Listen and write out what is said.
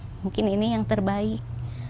mungkin ini yang terbaik